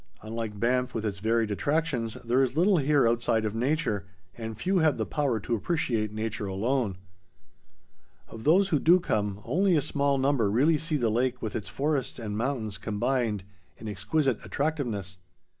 Unlike Banff with its varied attractions, there is little here outside of nature, and few have the power to appreciate nature alone. Of those who do come, only a small number really see the lake with its forests and mountains combined in exquisite attractiveness.